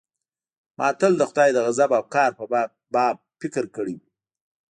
ما تل د خداى د غضب او قهر په باب فکر کړى و.